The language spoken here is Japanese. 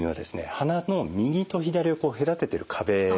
鼻の右と左を隔ててる壁なんですね。